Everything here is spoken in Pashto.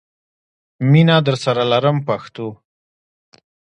مینه درسره لرم پښتنو.